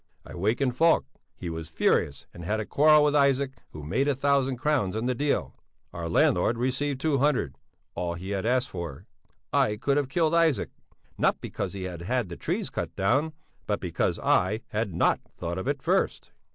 I wakened Falk; he was furious and had a quarrel with Isaac who made a thousand crowns on the deal. Our landlord received two hundred, all he had asked for. I could have killed Isaac, not because he had had the trees cut down, but because I had not thought of it first.